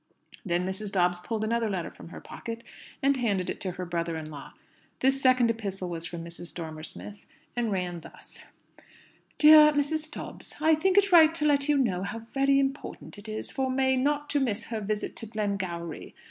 Then Mrs. Dobbs pulled another letter from her pocket, and handed it to her brother in law. This second epistle was from Mrs. Dormer Smith, and ran thus: "DEAR MRS. DOBBS, "I think it right to let you know how very important it is for May not to miss her visit to Glengowrie.